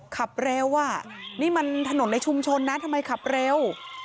ขับเร็วอ่ะนี่มันถนนในชุมชนนะทำไมขับเร็ว